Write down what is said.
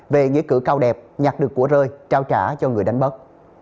về nghĩa cử cao đẹp nhặt được của rơi trao trả cho người đánh bắt